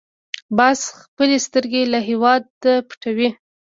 باز خپلې سترګې له هېواده پټوي